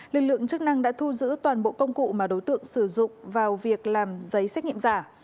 lực lượng chức năng đã thu giữ toàn bộ công cụ mà đối tượng sử dụng vào việc làm giấy xét nghiệm giả